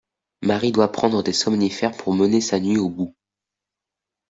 Marie doit prendre des somnifères pour mener sa nuit au bout.